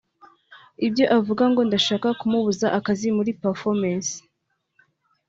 Ibyo avuga ngo ndashaka kumubuza akazi muri Profemmes